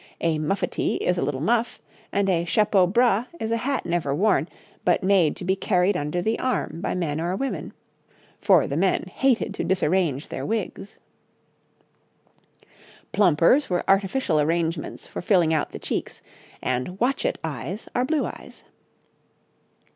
A 'muffetee' is a little muff, and a 'chapeau bras' is a hat never worn, but made to be carried under the arm by men or women; for the men hated to disarrange their wigs. [Illustration: {A woman of the time of William and Mary}] 'Plumpers' were artificial arrangements for filling out the cheeks, and 'watchet' eyes are blue eyes.